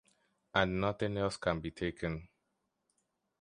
And nothing else can be taken.